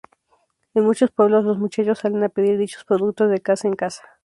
En muchos pueblos los muchachos salen a pedir dichos productos de casa en casa.